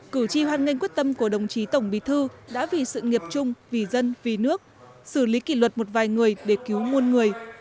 cử tri hoan nghênh quyết tâm của đồng chí tổng bí thư đã vì sự nghiệp chung vì dân vì nước xử lý kỷ luật một vài người để cứu muôn người